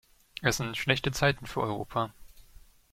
Es sind schlechte Zeiten für Europa.